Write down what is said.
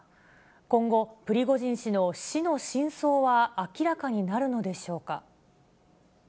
今後、プリゴジン氏の死の真相は明らかになるのでしょうか。